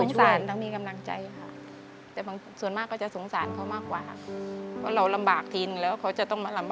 ทั้งสงสารทั้งมีกำลังใจค่ะแต่ส่วนมากก็จะสงสารเขามากกว่าค่ะ